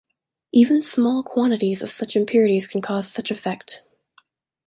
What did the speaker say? Even small quantities of such impurities can cause such effect.